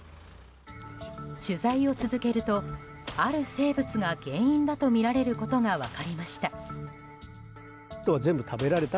取材を続けると、ある生物が原因だとみられることが分かりました。